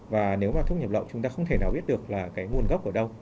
và nếu mà thuốc nhập lậu chúng ta không thể nào biết được là cái nguồn gốc ở đâu